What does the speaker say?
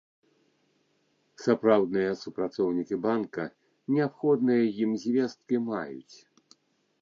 Сапраўдныя супрацоўнікі банка неабходныя ім звесткі маюць.